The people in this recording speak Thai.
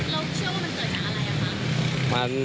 แล้วเชื่อว่ามันเกิดจากอะไรคะ